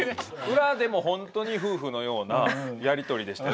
裏でも本当に夫婦のようなやり取りでしたよ。